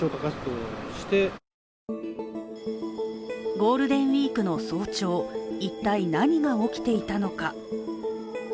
ゴールデンウイークの早朝一体何が起きていたのか。